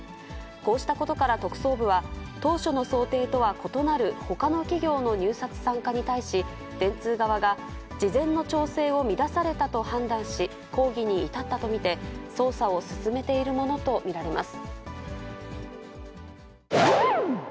こうしたことから特捜部は、当初の想定とは異なるほかの企業の入札参加に対し、電通側が事前の調整を乱されたと判断し、抗議に至ったと見て、捜査を進めているものと見られます。